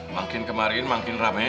makin kemarin makin rame